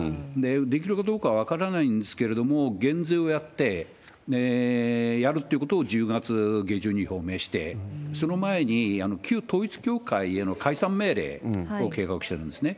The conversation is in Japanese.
できるかどうかは分からないんですけれども、減税をやって、やるっていうことを１０月下旬に表明して、その前に旧統一教会への解散命令を計画してるんですね。